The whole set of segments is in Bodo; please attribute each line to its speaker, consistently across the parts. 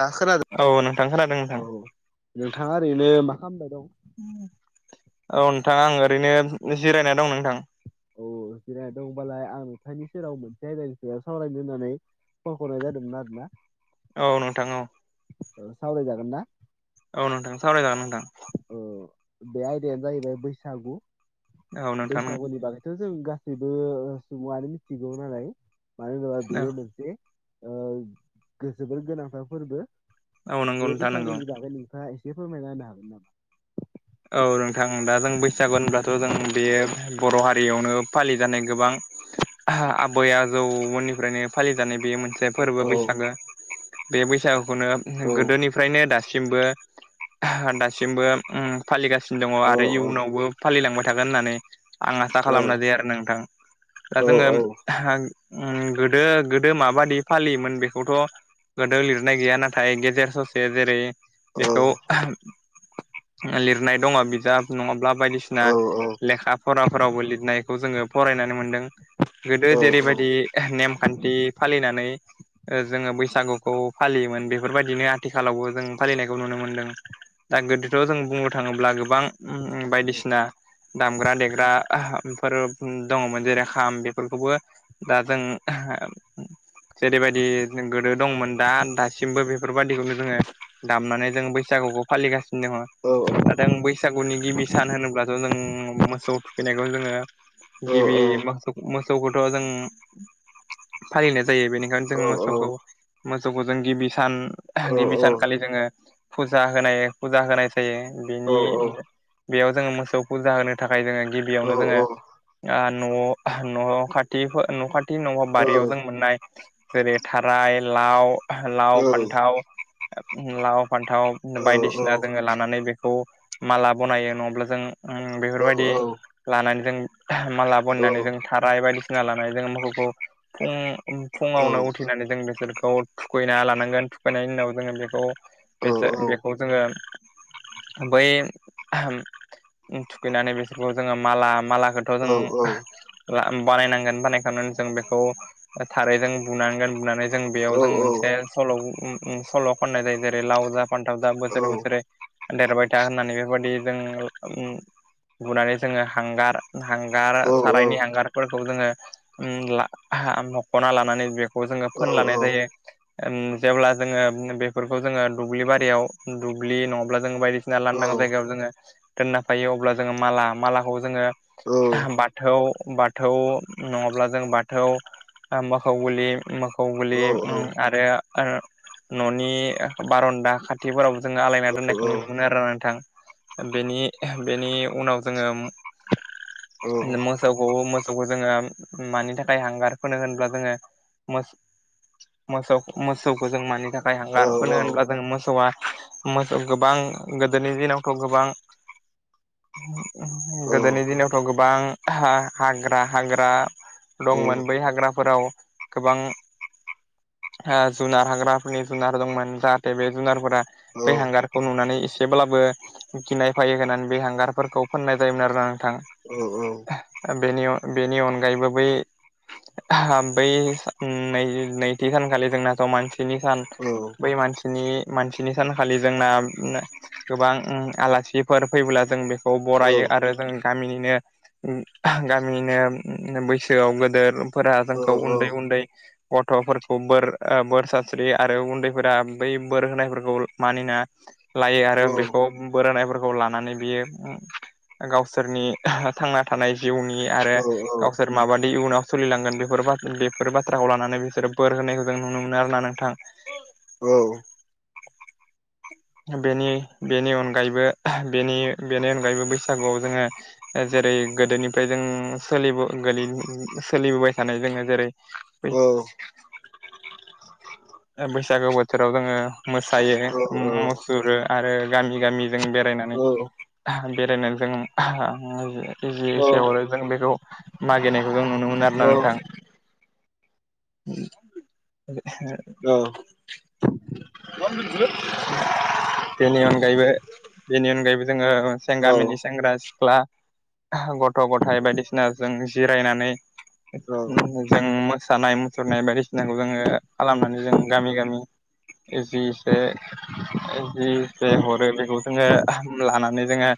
Speaker 1: दा खोनादों
Speaker 2: औ नोंथां खोनादों
Speaker 1: औ
Speaker 2: नोंथां
Speaker 1: नोंथाङा ओरैनो मा खालामबाय दं?
Speaker 2: औ नोंथां आं ओरैनो जिरायना दं नोंथां
Speaker 1: औ जिराय दोंबालाय आं नोंथांनि सेराव मोनसे आयदानि सायाव सावरायनो होननानै फनखौ हरनाय जादोंमोन आरोना
Speaker 2: औ नोंथां औ
Speaker 1: औ सावराय जागोनना।
Speaker 2: औ नोंथां सावरायजागोन नोंथां
Speaker 1: बे आयदायानो जाहैबाय बैसागु
Speaker 2: औ नोंथां
Speaker 1: बैसागुनि बागैथ जों गासैबो सुबुङानो मिथिगौ नालाय मानो होनोबा बेयो मोनसे ओ जोबोर गोनांथार फोरबो
Speaker 2: औ नंगौ
Speaker 1: बे
Speaker 2: नोंथां नंगौ
Speaker 1: बैसागुनि बागै नोंथाङा एसे एसे फोरमायना होनो हागोनना
Speaker 2: औ नोंथां दा जों बैसागु होनब्लाथ जों बे बर' हारियावनो फालिजानाय गोबां आबै आजौमोननिफ्रायनो फालि जानाय बे मोनसे
Speaker 1: औ
Speaker 2: फोरबो बैसागो बे बैसागोखौनो
Speaker 1: औ
Speaker 2: गोदोनिफ्रायनो दा सिमबो दासिमबो उम फालिगासिनो दङ
Speaker 1: औ
Speaker 2: आरो इयुनावबो फालिलांबाय थागोन होननानै आं आसा
Speaker 1: औ
Speaker 2: खालामनाय जायो आरो नोंथां। दा
Speaker 1: औ
Speaker 2: जोङो उम गोदो गोदो माबादि फालियोमोन बेखौथ' गोदो लिरनाय गैया नाथाय गेजेर ससे जेरै बेखौ लिरनाय दङ बिजाब नङाब्ला बायदिसिना
Speaker 1: औ
Speaker 2: लेखा फराफोरावबो लिरनायखौ जोङो। फरायनानै मोन्दों गोदो
Speaker 1: औ औ
Speaker 2: जेरैबायदि नेमखान्थि फालिनानै ओ जोङो बैसागुखौ फालियोमोन बेफोरबायदिनो आथिखालावबो जों फालिनायखौ नुनो मोनदों। दा गोदोथ' जों बुंनो थाङोब्ला गोबां उम उम
Speaker 1: औ
Speaker 2: बायदिसिना दामग्रा देग्रा आहाफोर दङमोन जेरै खाम बेफोरखौबो दा जों ओहा जेरैबायदि गोदो दंमोन दा दासिमबो बे फोरबादिखौनो जोंङो दामनानै जोङो बैसागुखौ फालिगासिनो दङ। दा
Speaker 1: औ
Speaker 2: जों बैसागुनि गिबि सान होनोब्लाथ' जों मोसौ थुखैनायखौ जोङो गिबि मोसौ मो सौखथ' जों फालिनाय जायो बेनिखायनो जों
Speaker 1: औ
Speaker 2: मोसौखौ मोसौखौ जों गिबि सान
Speaker 1: औ
Speaker 2: गिबि सानखालि जों ओ फुजा होनाय फुजा होनायस जायो। बिनि बेयाव जोङो मोसौ फुजा होनो थाखाय जोङो गिबियावनो जोङो ओ न' न' खाथिफो न' खाथि न'आव
Speaker 1: औ
Speaker 2: बारियाव जों मोननाय जेरै था राइ, लाव, लाव, फान्थाव लाव फान्थाव बायदिसिना जोङो ला नानै बेखौ माला बनायो नङाब्ला जों उम बेफोरबायदि लानानै जों माला बनायनानै जों थाराय बायदिसिना लानानै जों मोखौखौ फुं फुङावनो उथैनानै जों बेसोरखौ थुखैना लानांगोन। थुखैनायनि उनाव जोङो बेखौ बेसे बेखौ जोङो बै [unintelligible] उम थुखैनानै बेसोरखौ जोङो माला मालाखोथ' जों रा बानायनांगोन बानायखांनानै जों बेखौ थारायजों बुनांगोन बुनानै जों बेयाव जों मोन मोनसे सल' उम उम सल' खननाय जायो। जेरै लाव जा फानथाव जा बोसोरे बोसोरे देरबाय था होननानै बेफोरबायदि जों उम बुनानै जोङो हांगार हांगार सारायनि हांगारफोरखौ जोङो उम ला हा मख'ना लानानै बेखौ जोङो फोनलानाय जायो। उम जेब्ला जोङो बेफोरखौ जोङो ओ दुब्लि बारियाव दुब ब्लि नङाब्ला जोङो बायदिसिना लान्दां जायगायाव जोङो दोनना फायो अब्ला जोङो माला मालाखौ जोङो बाथौ बाथौ नङाब्ला जों बाथौ ओ मोखौ गुलि मोखौ गुलि उम आरो ओ न'नि बार'न्दा खाथिफोरावबो जोङो आलायना दोन्नायखौ नुनो मोनो आरोना नोंथां। बेनि बेनि उनाव जोङो मोसौखौ मोसौखौ जोङो मानि थाखाय हांगार फोनो होनब्ला जोङो मोस मोसौ मोसौखौ जों मानि थाखाय हांगार फोनो होनब्ला जों मोसौआ मोसौ गोबां गोदोनि दिनावथ' गोबां गोदोनि दिनावथ' गोबां हाग्रा हाग्रा दंमोन बै हाग्राफोराव गोबां। हा जुनार हाग्राफोरनि जुनार दंमोन जाहाथे बे जुनारफोरा बे हांगारखौ नुनानै एसेब्लाबो गिनाय फायो होननानै बे हांगारफोरखौ फोननाय जायोमोन आरोना नोंथां। ओ बेनि अ बेनि अनगायैबो बै बै नै नैथि सानखालि जोंनाथ' मानसिनि सान। बै मानसिनि मानसिनि सान खालि जोंना गोबां उम आलासिफोर फैब्ला जों बेखौ बरायो आरो जों गाम मिनिनो उम [unintelligible] गामिनो बैसोआव गोदोरफोरा जोंखौ उन्दै उन्दै गथ गथ'फोरखौ बोर बोर सास्रि आरो उन्दैफोरा बै बोर होनायफोरखौ मानिना लायो आरो बेखौ बोरायनायफोरखौ लानानै बियो गावसोरनि थांना थानाय जिउनि आरो गावसोर माबादि इयुनाव सोलिलांगोन बेफोर बेफोर बाथ्राखौ लानानै बिसोरो बोर होनायखौ जों नुनो मोनो आरोना नोंथां
Speaker 1: औ
Speaker 2: बेनि बेनि अनगायैबोनि बेनि बेनि अनगायैबो बैसागुआव जोङो जेरै गोदोनिफ्राय जोंङो सोलिबो गोलि सोलिबोबाय थानाय जोङो जेरै
Speaker 1: औ
Speaker 2: बैसागो बोथोराव जोङो मोसायो मुसुरो आरो गामि गामिजों बेराय रायनानै बेरायनानै जों इजि एसे हरो जों बेखौ मागिनायखौ जों नुनो मोनो आरोना नोंथां
Speaker 1: औ औ
Speaker 2: [unintelligible] [unintelligible] बेनि अनगायैबो बेनि अनगायैबो जोङो
Speaker 1: औ
Speaker 2: गामिनि सेंग्रा सिख्ला गथ' गथाइ बायदिसिनाजों जिरायनानै जों मोसानाय मुसुरनाय बायदिसिनाखौ जोङो खालामनानै जों गामि गामि जि एसे जि जे हरो बेखौ जोङो लानानै जोङो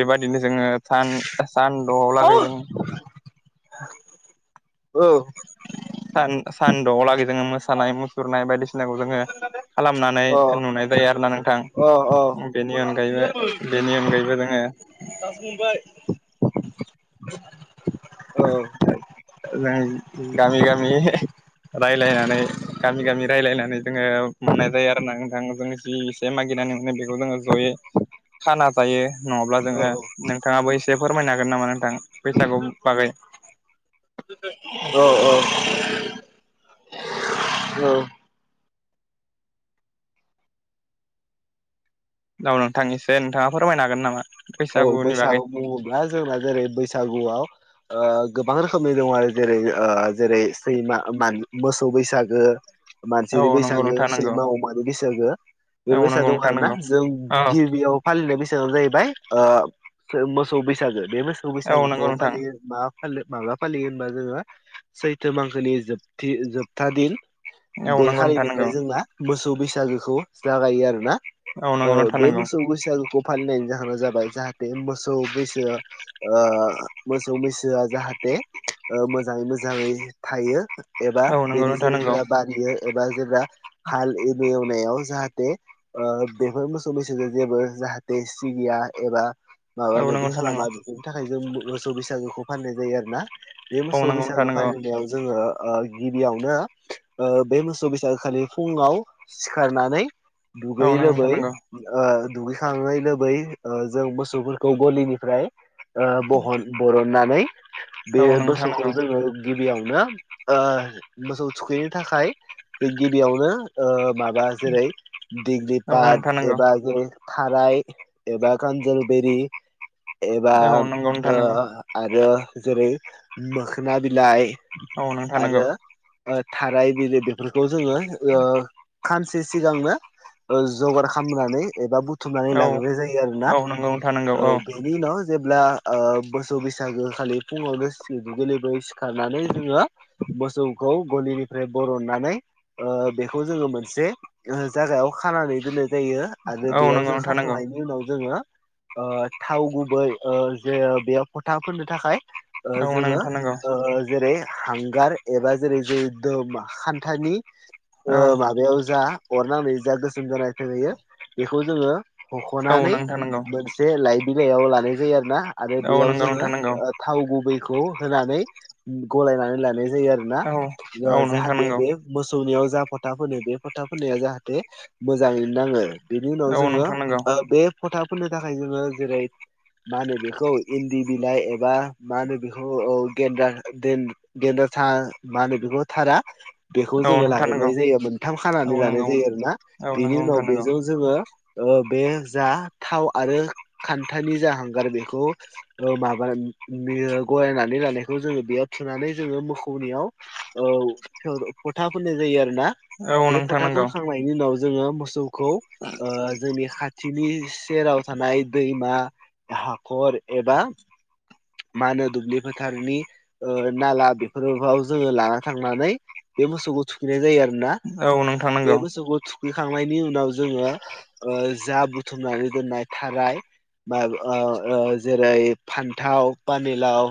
Speaker 2: बेबादिनो जोङो सान सानद'आव लागै जों आरो
Speaker 1: औ
Speaker 2: सान सानदआलागै जोङो मोसानाय मुसुरनाय बायदिसिनाखौ जोङो खालामनानै नुनाय जायो आरो ना नोंथां।
Speaker 1: औ
Speaker 2: बेनि अनगायैबो बेनि अनगायैबो दोङो गामि गामि [unintelligible] रायलायनानै गामि गामि रायलायनानै जोङो मोननाय जायो आरोना नोंथां जोंनि जि एसे मागिना नै बेखौ जोङो ज'यै खाना जायो नङाब्ला जोङो नोंथाङाबो एसे फोरमायनो हागोन नामा नोंथां बैसागु बागै
Speaker 1: [inaudible]
Speaker 2: [unintelligible] औ नोंथां इसे नोंथाङा फोरमायनो हागोन नामा? बैसागुनि
Speaker 1: बैसागु
Speaker 2: बागै
Speaker 1: बुङोब्ला जोंना जेरै बैसागुआव ओ गोबां रोखोमनि दङ आरो जेरै ओं जेरै सैमा मोसौ बैसागो
Speaker 2: औ
Speaker 1: मानसिनि
Speaker 2: नंगौ
Speaker 1: बैसागो
Speaker 2: नोंथां नंगौ
Speaker 1: सैमा अमानि बैसागो
Speaker 2: औ
Speaker 1: बेफोर बारसा
Speaker 2: नंगौ
Speaker 1: दं
Speaker 2: नोंथां
Speaker 1: आरो ना
Speaker 2: नंगौ
Speaker 1: जों
Speaker 2: औ
Speaker 1: गिबियाव फालिनाय बैसागोआनो जाहैबाय ओ मोसौ बैसागो बे मोसौ
Speaker 2: औ नंगौ
Speaker 1: बैसागुखौ
Speaker 2: नोंथां
Speaker 1: फालियो मा फालि माब्ला फालियो होनबा जोङो सैथो मांखोनि जोबथि जोबथा दिन
Speaker 2: औ
Speaker 1: बे
Speaker 2: नंगौ नोंथां
Speaker 1: खालिनिफ्राय
Speaker 2: नंगौ
Speaker 1: जोंना मोसौ बैसागोखौ जागायो आरोना
Speaker 2: औ नंगौ नोंथां
Speaker 1: बे
Speaker 2: नंगौ
Speaker 1: मोसौ बैसागुखौ फालिनायनि जाहोना जाबाय जाहाथे मोसौ मैसोआ मोसौ मैसोआ जाहाथे मोजाङै मो जाङै थायो एबा
Speaker 2: औ नंगौ
Speaker 1: बेनि
Speaker 2: नोंथां नंगौ
Speaker 1: जोलैफोरा बारियो एबा जेब्ला हाल एरि एवनायाव जाहाथे बेफोर मोसौ मैसोजों जेबो जाहाथे सिगिया एबा माबा
Speaker 2: औ
Speaker 1: माबि
Speaker 2: नंगौ नोंथां नंगौ
Speaker 1: खालामा बेफोरनि थाखाय जों मोसौ बैसागोखौ फालिनाय जायो आरो ना बे
Speaker 2: औ
Speaker 1: मोसौ
Speaker 2: नंगौ नोंथां
Speaker 1: बैसागो
Speaker 2: नंगौ
Speaker 1: फालिनायाव जोङो ओ गिबियावनो बे मोसौ बैसागो खालि ओ फुङाव सिखारनानै
Speaker 2: औ
Speaker 1: दुगैयै
Speaker 2: नंगौ नोंथां
Speaker 1: लोबै
Speaker 2: नंगौ
Speaker 1: ओ दुगैखाङै लोबै ओ जों मोसौ फोरखौ गलिनिफ्राय बहन बरननानै बे
Speaker 2: औ नोंथां
Speaker 1: मोसौखौ
Speaker 2: नंगौ
Speaker 1: जोङो गिबियावनो मोसौ थुखैनो थाखाय गिबियावनो माबा जेरै दिग्लि
Speaker 2: औ
Speaker 1: पाद
Speaker 2: नोंथां नंगौ
Speaker 1: एबा जेरै थाराय एबा कानजोल बेरि एबा
Speaker 2: औ नंगौ नोंथां नंगौ
Speaker 1: आरो जेरै मोखोना बिलाइ
Speaker 2: औ नोंथा नोंगौ
Speaker 1: आरो ओ थाराय बि बेफोरखौ जोङो खानसे सिगांनो जगार खालामनानै एबा बुथुमनानै
Speaker 2: औ
Speaker 1: लाग्रोय जायो आरो ना
Speaker 2: औ नंगौ नोंथां नंगौ
Speaker 1: औ बेनि उनाव जे ब्ला मोसौ बैसागो खालि फुङावनो सिखारनानै जोङो मोसौखौ गलिनिफ्राय बरननानै बेखौ जोङो मोनसे जायाव खानानै दोननाय जायो आरो
Speaker 2: औ
Speaker 1: बेयाव
Speaker 2: नंगौ
Speaker 1: जों
Speaker 2: नोंथां नंगौ
Speaker 1: खाखांहनायनि उनाव जोङो थाव गुबै जे बेयाव फोथा फोननो थाखाय
Speaker 2: औ
Speaker 1: जोङो
Speaker 2: नोंथां नंगौ
Speaker 1: जेरै हांगार एबा जेरै जों दो खान्थानि
Speaker 2: औ
Speaker 1: माबायाव जा अर नांनायनि जा गोसोम जानाय थोंहैयो बेखौ जोङो
Speaker 2: औ नोंथां नोंगौ
Speaker 1: बे लाइ बिलाइ लानाय जायो आरो ना आरो
Speaker 2: औ
Speaker 1: बेयाव
Speaker 2: नंगौ
Speaker 1: जोङो
Speaker 2: नोंथां नंगौ
Speaker 1: थाव गुबै खौ होनानै गलायनानै लानाय जायो आरो ना
Speaker 2: औ औ नोंथां
Speaker 1: जाहाथे
Speaker 2: नंगौ
Speaker 1: बे मोसौनियाव जा फोथा फोनदों बे फोथा फोननाया जाहाथे मोजाङैनो नाङो बेनि उनाव
Speaker 2: औ
Speaker 1: जोङो
Speaker 2: नोंथां नंगौ
Speaker 1: बे फथाफोरनो थाखाय जोङो जेरै मा होनो बेखौ इन्दि बिलाइ एबा मा होनो बेखौ औ गेन्दा गेन्दा था मा होनो बेखौ थारा बेखौ
Speaker 2: औ
Speaker 1: जोङो
Speaker 2: नोंथां नंगौ
Speaker 1: लाग्रोनाय जायो मोनथाम
Speaker 2: औ
Speaker 1: खानानै लानाय
Speaker 2: नंगौ
Speaker 1: जायो आरो ना
Speaker 2: औ
Speaker 1: बेनि
Speaker 2: नंगौ
Speaker 1: उनाव
Speaker 2: नोंथां नंगौ
Speaker 1: बेजों जोङो औ बे जा थाव आरो खान्थानि जा हांगार बेखौ माबा बियो गलायनानै लानायखौ जों बेयाव थुनानै जोङो मोखौनियाव फथा फोननाय जायो आरो दा
Speaker 2: औ
Speaker 1: बे
Speaker 2: नोंथां
Speaker 1: फोथा
Speaker 2: नंगौ
Speaker 1: फोनखांनायनि उनाव जोङो मोसौखौ जोंनि खा खाथिनि सेराव थानाय दैमा हाखर एबा मा होनो दुब्लि फोथारनि नाला बेफोराव जोङो लाना थांनानै बे मोसौखौ थुखैनाय जायो आरोना
Speaker 2: औ नोंथां
Speaker 1: बे
Speaker 2: नंगौ
Speaker 1: मोसौखौ थुख थुखैखांनायनि उनाव जोङो जा बुथुमनानै दोननाय जेरै फान्थाव पानिलाव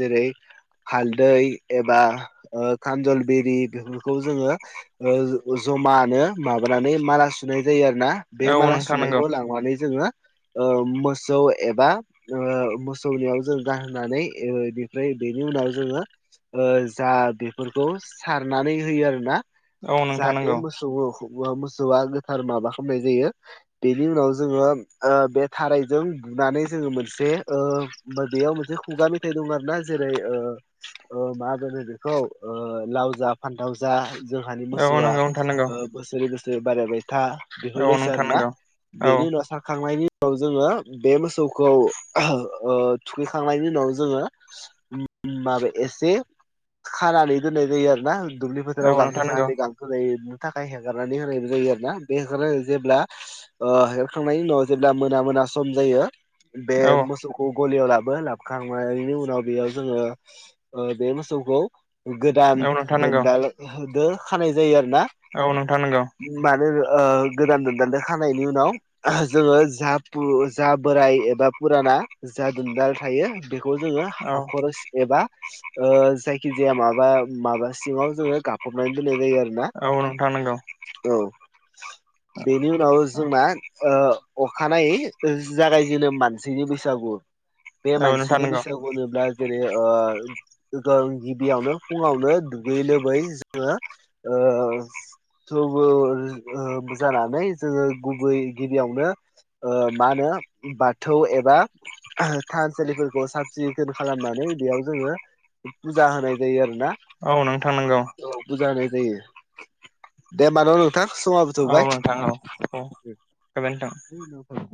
Speaker 1: जेरै हालदै एबा खानजल बिरि बेफोरखौ जोङो जमानो माबानानै माला सुनाय जायो आरो ना बे
Speaker 2: औ
Speaker 1: माला
Speaker 2: नोंथां
Speaker 1: सुनाय
Speaker 2: नंगौ
Speaker 1: जोङो मोसौ एबा मोसौनियाव जों गानहोनानै बेनिफ्राय बेनि उनाव जोङो जा बेफोरखौ सारनानै होयो आरो ना
Speaker 2: औ नोंथां
Speaker 1: जाहाथे
Speaker 2: नंगौ
Speaker 1: मोसौ मोसौआ गोथार माबा खालामनाय जायो बेनि उनाव जोङो बे थारैजों बुनानै जोङो मोनसे बेयाव मोनसे खुगा मेथाइ दं आरोना जेरै ओ ओ मा होनो बेखौ ओ लाव जा फानथाव जा जा जोंहानि
Speaker 2: औ
Speaker 1: मोसौआ
Speaker 2: नंगौ नोंथां नंगौ
Speaker 1: बोसोरै बोसोरै बारायबाय था
Speaker 2: औ
Speaker 1: बेफोर बायसा
Speaker 2: नोंथां
Speaker 1: आरो ना।
Speaker 2: नंगौ
Speaker 1: बेनि उनाव खांनायनि उनाव जोङो बे मोसौखौ थुखैखांनायनि उनाव जोङो माबाया एसे खानानै दोननाय जायो आरो ना दुब्लि
Speaker 2: औ
Speaker 1: फोथाराव गांसो
Speaker 2: नोंथां नंगौ
Speaker 1: जाहाथे गांसो जायो थाखाय हगारनानै होनायबो जायो आरो ना बे हगार जेब्ला हरखांनायनि उनाव जेब्ला मोना मोना सम जायो बे
Speaker 2: औ
Speaker 1: मोसौखौ गलियाव लाबो लाबोखांनायनि उनाव बेयाव जोङो बे मोसौखौ गोदान
Speaker 2: औ नोंथां नंगौ
Speaker 1: दोनदाल होदो खानाय जायो आरो ना
Speaker 2: औ नोंथां नंगौ औ
Speaker 1: मानो आ गोदान दोनदान दान नि उनाव जोङो जा जा बोराय एबा फुराना जा दोनार थायो बेखौ जोङो हाखर एबा जायखिजाया माबा माबा सिङाव जोङो गाबफहबनानै जायो आरो ना
Speaker 2: औ नोंथां नंगौ
Speaker 1: औ बेनि उनाव जोंना अखानायै जागायजेनो मानसिनि बैसागु बे
Speaker 2: औ नोंथां नंगौ औ नोंथां
Speaker 1: मानसिनि
Speaker 2: नंगौ
Speaker 1: बिसागु होनोब्ला जेरै गिबियावनो फुङावनो दुगैयै लोबै जोङो ओ थौबो जानानै जोङो गुबै गिबियावनो मा होनो बाथौ एबा थानसालिफोरखौ साब सिखोन खालामनानै बेयाव जोङो फुजा होनाय जायो आरो। औ
Speaker 2: औ
Speaker 1: बुरजा होनाय जायो दे मानो थां समाबोथ'
Speaker 2: नोंथां औ औ गोजोन्थों
Speaker 1: बाय